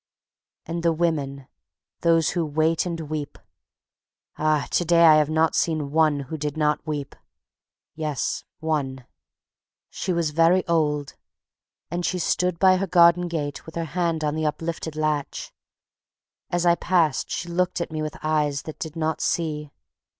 And the Women. Those who wait and weep. Ah! to day I have not seen one who did not weep. Yes, one. She was very old, and she stood by her garden gate with her hand on the uplifted latch. As I passed she looked at me with eyes that did not see.